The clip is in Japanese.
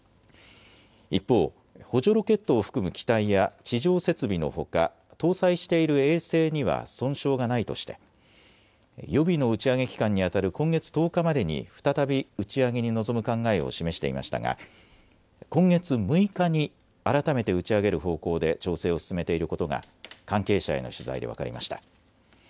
一方、補助ロケットを含む機体や地上設備のほか搭載している衛星には損傷がないとして予備の打ち上げ期間にあたる今月１０日までに再び打ち上げに臨む考えを示していましたが今月６日に改めて打ち上げる方向で調整を進めていることが関係者への取材で分かりました。